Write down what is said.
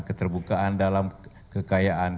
keterbukaan dalam kekayaan